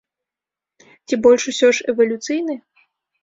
Ці больш усё ж эвалюцыйны?